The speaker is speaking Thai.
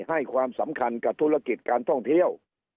ให้ความสำคัญกับธุรกิจการท่องเที่ยว